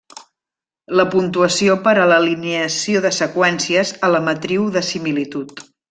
La puntuació per a l'alineació de seqüències a la matriu de similitud.